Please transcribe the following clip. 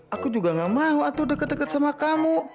aku juga nggak mau atur deket deket sama kamu